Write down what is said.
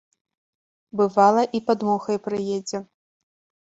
Бывала, і пад мухай прыедзе.